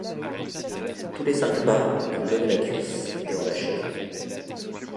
Tous les cinq pas, il levait la cuisse et en lâchait un.